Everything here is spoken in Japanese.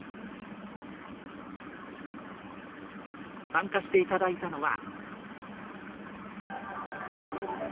参加していただいたのは。